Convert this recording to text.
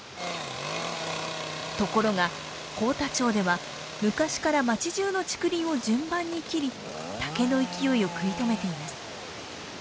ところが幸田町では昔から町じゅうの竹林を順番に切り竹の勢いを食い止めています。